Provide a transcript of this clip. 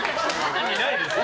意味ないですよ。